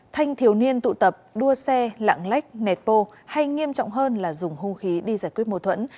thanh thiếu niên tụ tập đua xe lạng lách nẹt bô hay nghiêm trọng hơn là dùng hung khí đi giải quyết mô thuẫn